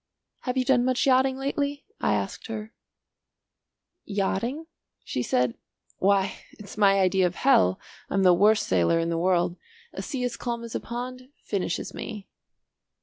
"Have you done much yachting lately?" I asked her. "Yachting?" she said, "why it's my idea of hell. I'm the worst sailor in the world. A sea as calm as a pond finishes me."